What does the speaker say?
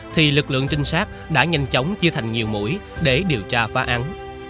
thì lực lượng trinh sát đã nhanh chóng chia thành nhiều mũi để điều tra phá án